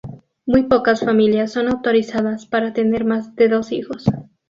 Muy pocas familias son autorizadas para tener más de dos hijos.